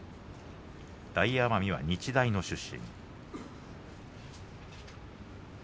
大奄美は日大の出身。